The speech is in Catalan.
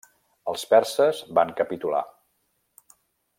Els perses van capitular.